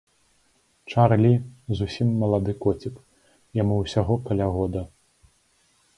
Чарлі зусім малады коцік, яму ўсяго каля года.